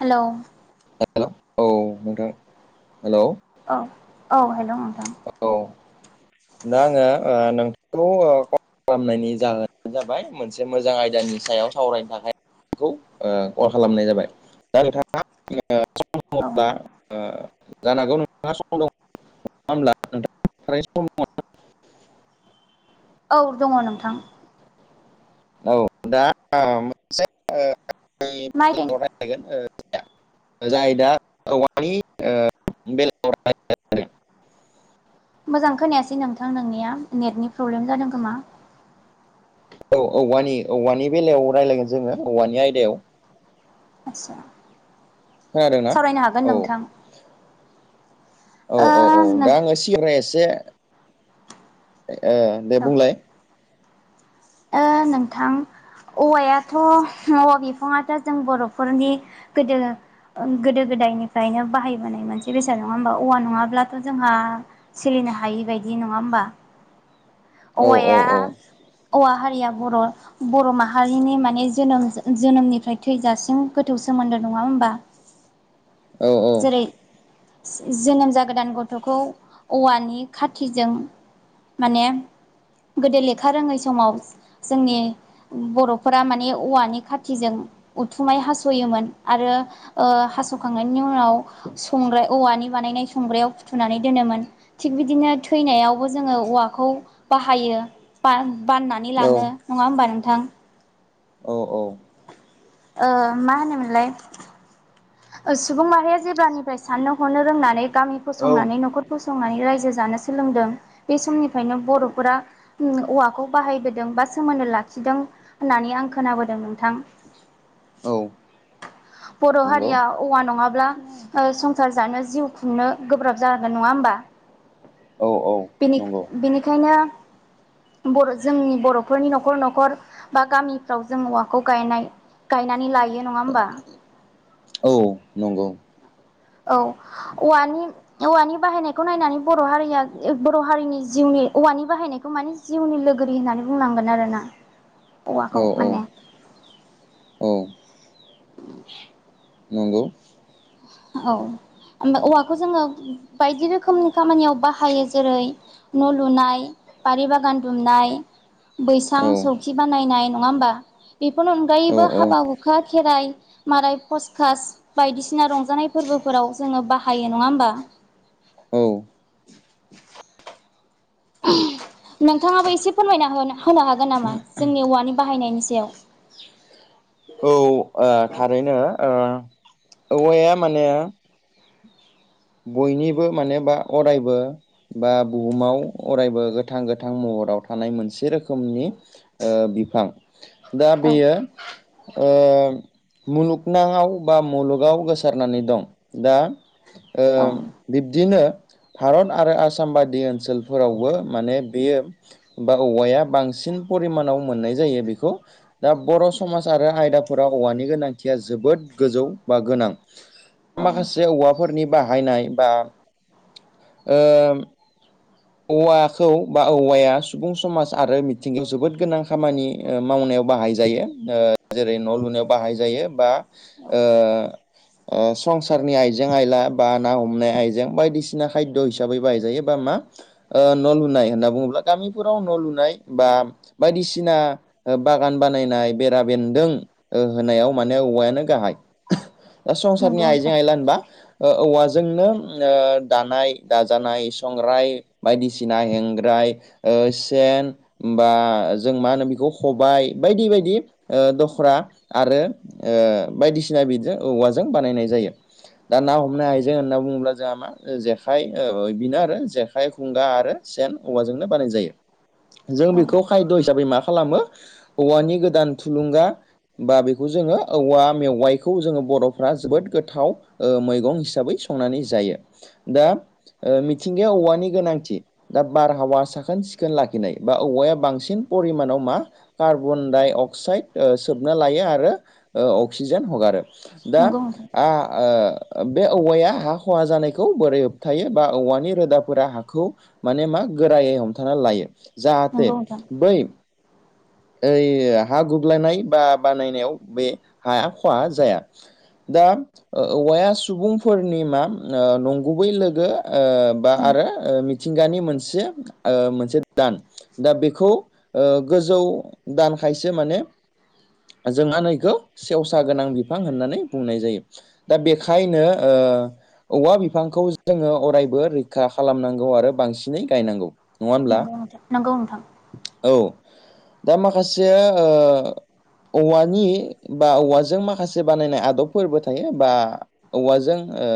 हेल' हेल औ नोंथां हेल' औ औ हेल' नोंथां औ दा आङो नोंथांखौ खालामनायनि जाहोनानो जाबाय मोनसे मोजां आयदानि सायाव सावरायनो थाखाय बे खौ कल खालामनाय जाबाय दा नोंथां सम औ दङब्ला जानो हागौ नोंथा सम दङ [unintelligible] औ दङ नोंथां औ दा मोनसे मा आयदानि [unintelligible] जाय दा औवानि बेलायाव मोजां खोनायासै नोंथां नोंनिया नेटनि प्रब्लेम जादों खोमा औ औवानि औवानि बेलायाव रायलायगोन जोङो औवानि आयदायाव आतसा। खोनादोंना सावरायनो हागोन औ नोंथां। औ ओ औ औ नों दा आङो सिगांनिसाय एसे ओ दे औ बुंलाय। ओ नोंथां औवायाथ' औवा बिफाङाथ' जों बर'फोरनि गोदो गोदो गोदायनिफ्रायनो बाहायबोनाय मोनसे बेसाद नङा होमबा औवा नङाब्लाथ' जोंहा सोलिनो हायि बायदि नङा होमबा? औ औ औवाया औ औवा हारिया बर' बर' माहारिनि माने जोनोम जोनोमनिफ्राय थैजासिम गोथौ सोमोन्दो नङा होमबा? औ औ। जेरै जोनोम जागोदान गथ'खौ औवानि खाथिजों माने गोदो लेखा रोङै समाव जोंनि बर'फोरा माने औवानि खाथिजों उथुमाय हास'योमोन आरो ओ हास'खांनायनि उनाव संग्राय औवानि बानायनाय संग्रायाव फुथुनानै दोनोमोन। थिग बिदिनो थैनायावबो जोङो औवाखौ बाहायो बान बाननानै लाङो नङा होमबा नोंथां? औ औ। ओ मा होनोमोनलाय सुबुं माहारिया जेब्लानिफ्राय साननो हरनो रोंनानै गामि औ औ फसंनानै न'खर फसंनानै रायजो जानो सोलोंदों बे समनिफ्रायनो बर'फोरा औवाखौ बाहायबोदों बा सोमोन्दो लाखिदों होननानै आं खोनाबोदों नोंथां। औ बर' नंगौ हारिया औवा नङाब्ला ओ संसार जानो जिउ खुंनो गोब्राब जागोन नङा होमबा? औ औ। बिनि नंगौ बेनिखायनो बर' जोंनि बर'फोरनि न'खर -न'खर बा गामिफ्राव जों औवाखौ गायनाय गायनानै लायो नङा होमबा। औ नंगौ। औ औवानि औवानि बाहायनायखौ नायनानै बर' हारिया बर' हारिनि जिउनि औवानि बाहायनायखौ मानि जिउनि लोगोरि होननानै बुंनांगोन आरो ना। [inaudible] औ औवाखौ औ माने। औ नंगौ। औ ओमफ्राय औवाखौ जोङो बायदि रोखोमनि खामानियाव बाहायो जेरै न' लुनाय, बारि बागान दुमनाय। बैसां औ सौखि बानायनाय नङा होमबा? बेफोरनि औ अनगायैबो हाबा- औ हुखा खेराइ माराय फसकास बायदिसिना रं नाजानाय फोरबोफोराव जोङो बाहायो नङा होमबा? औ नोंथाङाबो एसे फोरमायना होनो हागोन नामा जोंनि औवानि बाहायनायनि सायाव। औ ओ ओ थारैनो ओ औवाया माने बयनिबो मानोबा अरायबो बा बुहुमाव अरायबो गोथां -गोथां महराव थानाय मोनसे रोखोमनि ओ बिफां दा औ बेयो ओ मुलुगनङाव बा मुलुगाव गोसारनानै दं। दा ओ औ। बिब्दिनो भारत आरो आसाम बादि ओनसोलफोरावबो माने बेयो बा औवाया बांसिन परिमानाव मोननाय जायो। बेखौ दा बर' समाज आरो आयदाफोराव औवानि गोनांथिया जोबोद गोजौ बा गोनां औ माखासे औवाफोरनि बाहायनाय बा ओ औवाखौ बा औवाया सुबुं समाज आरो मिथिंगायाव जोबोद गोनां खामानि मावनायाव बाहाय जायो। ओ जेरै न' लुनायाव बाहाय जायो बा औ ओ ओ संसारनि आइजें आइला बा ना हमनाय आइजें बायदिसिना खायद' हिसाबै बाहायजायो बा मा न' लुनाय होनना बुङोब्ला गामिफोराव न' लुनाय बा बायदिसिना बागान बानायनाय बेरा बेन्दों ओ होनायाव माने औवायानो गाहाय दा संसारनि नंगौ नोंथां आइजें-आइला होनबा ओ औवाजोंनो ओ दानाय दाजानाय संग्राय बायदिसिना हेंग्राय ओ सेन होमबा जों मा होनो बेखौ खबाय बायदि बायदि ओ दख्रा आरो बायदिसिना ओ बिजों औवाजों बानायनाय जायो। दा ना हमनाय आइजें होनना बुङोब्ला जोंहा मा जेखाइ बेनो आरो जेखाइ खबाय आरो सेन औवाजोंनो बानाय जायो। जों औ बेखौ खायद' हिसाबै मा खालामो औवानि गोदान थुलुंगा बा बेखौ जोङो औवा मेवाइखौ जोङो बर'फ्रा जोबोद गोथाव ओ मैगं हिसाबै संनानै जायो। दा ओ मिथिंगायाव औवानि गोनांथि दा बारहावा साखोन-सिखोन लाखिनाय बा औवाया बांसिन परिमानाव मा कार्बन डाइ अक्साइड ओ सोबना लायो आरो अक्सिजेन हगारो दा नंगौ नोंथां आ ओ बे औवाया हा खहा जानायखौ बोरै होबथायो बा औवानि रोदाफोरा हाखौ माने मा गोरायै हमथाना लायो जाहाथे नंगौ नोंथां बै ओइ हा गुबलायनाय बा बानायनायाव बे हाया खहा जाया। दा औवाया सुबुंफोरनि मा ओ नंगुबै लोगो ओ बा आरो मिथिंगानि मोनसे ओ मोनसे दान दा बेखौ ओ गोजौ दानखायसो माने जों आ नैखौ सेवसा गोनां बिफां होननानै बुंनाय जायो दा बेखायनो औवा बिफांखौ जोङो अरायबो रैखा खालामनांगौ आरो बांसिनै गायनांगौ नङा होनब्ला नोंगौ नोंथां। औ। दा माखासे ओ औवानि बा औवाजों माखासे बानायनाय आदबफोरबो थायो बा औवाजों ओ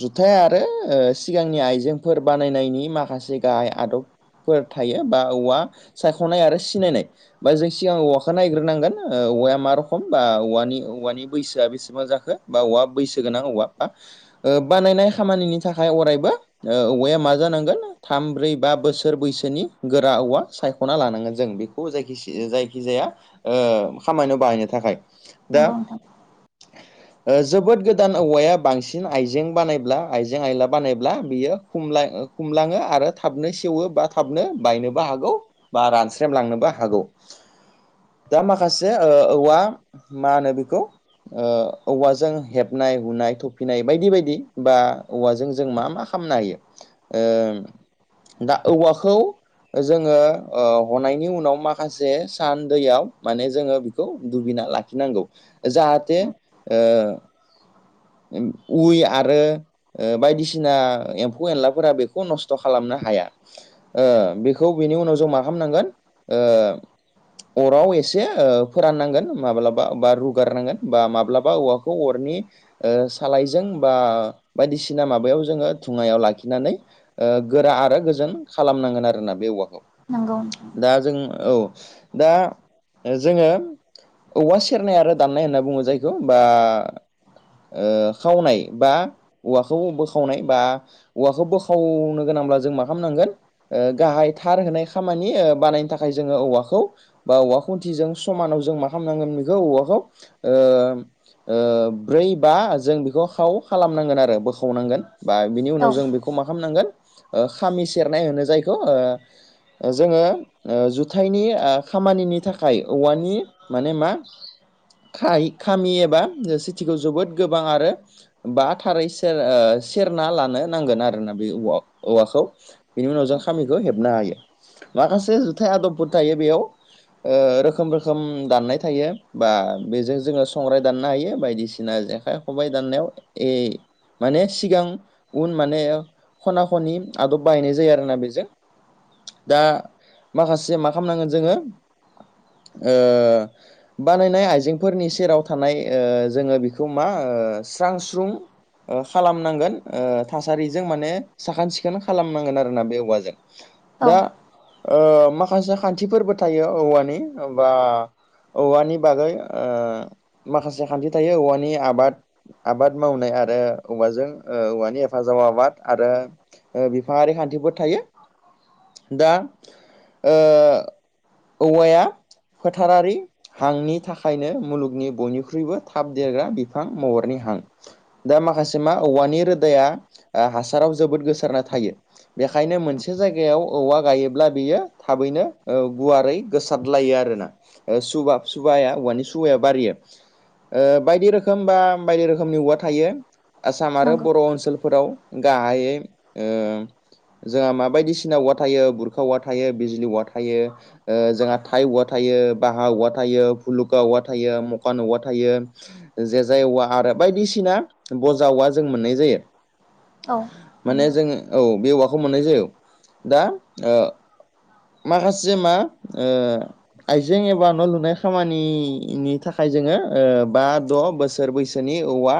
जुथाय आरो सिगांनि आइजेंफोर बानायनायनि माखासे गाहाय आदब फोर थायो बा औवा सायख'नाय आरो सिनायनाय बा जों सिगां औवाखौ नायग्रोनांगोन ओ औवाया मा रखोम बा औवानि औवानि बैसोआ बेसेबां जाखो बा औवा बैसो गोनां औवा बा ओ बानायनाय खामानिनि थाखाय अरायबो ओ औवाया मा जानांगोन थाम ब्रै बा बोसोर बैसोनि गोरा औवा सायख'ना लानांगोन जों बेखौ खौ जायखिसे जायखि जाया ओ खामानियाव बाहायनो थाखाय दा नंगौ नोंथां ओ जोबोद गोदान औवाया बांसिन आइजें बानायब्ला आइजें आयला बानायब्ला बियो खमला खमलाङो आरो थाबनो सेवो बा थाबनो बायनोबो हागौ बा रानस्रेमलांनोबो हागौ। हागौ दा माखासे ओ औवा मा होनो बेखौ ओ औवाजों हेबनाय हुनाय थफिनाय बायदि बायदि बा औवाजों जों मा मा खामनो हायो ओ दा औवाखौ जोङो ओ हनायनि उनाव माखासे सान दैयाव माने जोङो बेखौ दुगैना लाखिनांगौ। जाहाथे ओ उइ आरो ओ बायदिसिना एम्फौ एनलाफोरा बेखौ नस्थ' खालामनो हाया ओ बेखौ बेनि उनाव जों मा खालामनांगोन अराव एसे फोराननांगोन माब्लाबा बा रुगारनांगोन बा माब्लाबा औवाखौ खौ अरनि ओ सालायजों बा बायदिसिना माबायाव जोङो धुङायाव लाखिनानै ओ गोरा आरो गोजोन खालामनांगोन आरोना बे औवाखौ नोंगौ दा जों औ दा जोङो औवा सेरनाय आरो दान्नाय होनना बुङो जायखौ बा ओ खावनाय बा औवाखौ बोखावनाय बा औवाखौ बोखावनो गोनांब्ला जों मा खालामनांगोन गाहाय थार होनाय खामानि बानायनो थाखाय जोङो औवाखौ बा औवा खुन्थिजों समानाव जों मा खालामनांगोन बेखौ औवाखौ ओ ओ ब्रै बा जों बेखौ खाव खालामनांगोन आरो बोखावनांगोन बा बिनि उनाव औ जों बेखौ मा खालामनांगोन खामि सेरनाय होनो जायखौ जोङो ओ जुथायाइनि खामानिनि थाखाय औवानि माने मा खाय खामि एबा सिटिखौ जोबोद गोबां आरो बा थारै सेर सेरना लानो नांगोन आरो ना बे औ औवाखौ बेनि उनाव जों खामिखौ हेबनो हायो माखासे जुथाय आदबफोर थायो बेयाव ओ रोखोम रोखोम दाननाय थायो बा बेजों जोङो संग्राइ दाननो हायो बायदिसिना सिना जेखाइ खबायाइ दाननायाव ए माने सिगां उन माने खना खनि आदब बाहायनाय जायो आरोना बेजों। दा माखासे मा खालामनांगोन जोङो ओ बानायनाय आइजेंफोरनि सेराव थानाय जोङो बे बेखौ मा ओ स्रां स्रुं ओ खालामनांगोन थासारिजों माने साखोन सिखोन खालामनांगोन आरोना बे औवाजों। औ दा ओ माखासे खान्थिफोरबो थायो औवानि बा औवानि बागै ओ माखासे खान्थि थायो औवानि आबाद आबाद मावनाय आरो औवाजों ओ औवानि हेफाजाव आबाद आरो बिफाङारि खान्थिफोर थायो, दा ओ औवाया फोथारारि हांनि थाखायनो मुलुगनि बयनिख्रुइबो थाब देरग्रा बिफां महरनि हां दा माखासे मा औवानि रोदाया ओ हासाराव जोबोद गोसारना थायो। बेखायनो मोनसे जायगायाव औवा गायोब्ला बियो थाबैनो ओ गुवारै गोसारलायो आरोना सुब सुबाया औवानि सुबाया बारियो ओ बायदि रोखोम बा बायदि रोखोमनि औवा थायो आसाम आरो नंगौ बर' ओनसोलफोराव। गाहायै ओ जोंहा माबायदिसिना औवा थायो गुरखा औवा थायो बिजलि औवा थायो। ओ जोंहा थाइ औवा थायो, बाहा औवा थायो, भुलुखा औवा थायो, मखान औवा थायो। जेे जाय औवा आरो बायदिसिना बजा औवा जों मोननाय जायो। औ माने नंगौ जोङो औ बे औवाखौ मोननाय जायो। दा माखासे मा ओ आइजें एबा न' लुनाय खामानिनि थाखाय जोङो ओ बा द' बोसोर बैसोनि औवा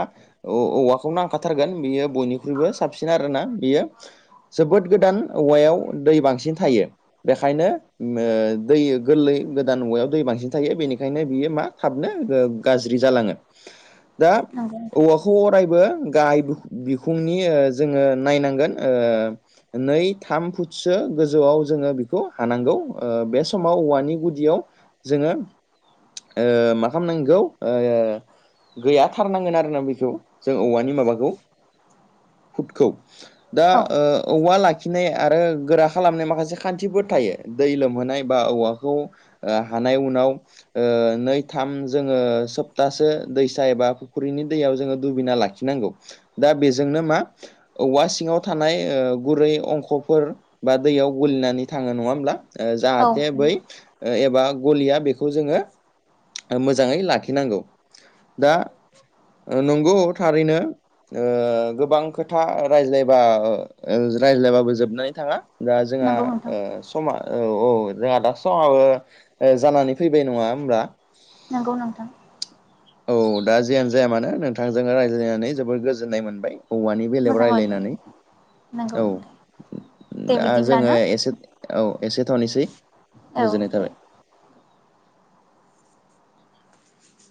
औवाखौ नांखथारगोन बियो बयनिख्रुइबो साबसिन आरोना बियो जोबोद गोदान औवायाव दै बांसिन थायो। बेखायनो ओ दै गोरलै गोदान मुवायाव दै बांसिन थायो बेनिखायनो बियो मा थाबनो गाज्रि जालाङो, दा नोंथां औवाखौ अरायबो गाय बिखुंनि ओ जोङो नायनांगोन ओ नै थाम फुटसो गोजौआव जोङो बेखौ हानांगौ, ओ बे समाव औवानि गुदियाव जोङो ओ मा खालामनांगौ? ओ गैयाथारनांगोन आरोना बेखौ जों औवानि माबाखौ। फुटखौ दा औ ओ औवा लाखि आखिनाय आरो गोरा खालामनाय माखासे खान्थिफोर थायो दै लोमहोनाय बा औवाखौ ओ हानाय उनाव ओ नै थाम जोङो सप्तासे दैसा एबा फुख्रिनि दैयाव जोङो दुबैना लाखिनांगौ, दा बेजोंनो मा? औवा सिंङाव थानाय ओ गुरै अंखफोर बा दैयाव गोलिनानै थाङो नङा होमब्ला? ओ औ जाहाथे बै ओ एबा गलिया बेखौ जोङो मोजाङै ला खि नांगौ दा नंगौ थारैनो। ओ गोबां खोथा रायज्लायबा ओ रायज्लायबाबो जोबनानै थाङा। दा जोंहा नंगौ नोंथां ओ समा औ औ जोंहा दा समाबो ओ जानानै फैबाय नङा होमब्ला? नंगौ नोंथां। औ दा जियानो जाया मानो नोंथांजोंनो रायज्लायनानै जोबोद गोजोननाय मोनबाय। औवानि बेलायाव मोजां मोनबाय रायज्लायनानै, नोंथां नंगौ औ नोंथां देब्ला दा जोङो ना एसे औ एसे थ'नोसै। औ। गोजोननाय थाबाय